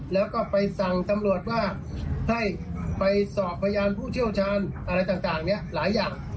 แล้วก็ไปสั่งตำรวจว่าให้ไปสอบพยานผู้เชี่ยวชาญอะไรต่างเนี่ยหลายอย่าง